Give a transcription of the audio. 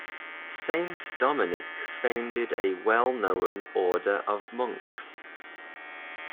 Saint Dominic founded a well-known order of monks.